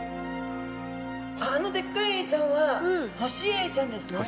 あのでっかいエイちゃんはホシエイちゃんですね。